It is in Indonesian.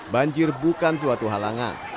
banjir bukan suatu halangan